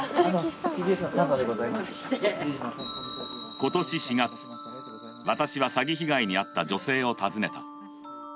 今年４月、私は詐欺被害に遭った女性を訪ねた。